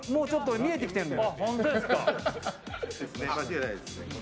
見えてきてるのよ。